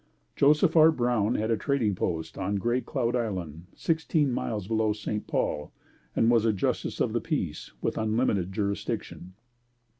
Joseph R. Brown had a trading post on Gray Cloud Island, sixteen miles below St. Paul and was a Justice of the Peace with unlimited jurisdiction.